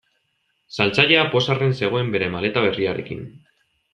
Saltzailea pozarren zegoen bere maleta berriarekin.